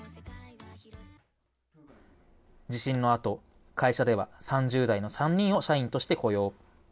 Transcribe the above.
地震のあと、会社では３０代の３人を社員として雇用。